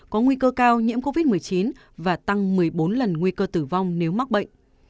có nguy cơ cao nhiễm covid một mươi chín và tăng một mươi bốn lần nguy cơ tử vong nếu mắc bệnh